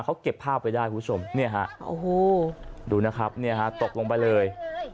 เขาเก็บภาพไปได้คุณผู้ชมดูนะครับตกลงไปเลย